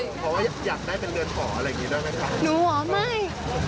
เพราะว่าอยากได้เป็นเดินห่ออะไรอย่างนี้ได้ไหมคะ